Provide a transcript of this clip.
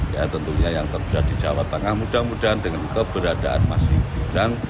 ya tentunya yang terberat di jawa tengah mudah mudahan dengan keberadaan mas gibran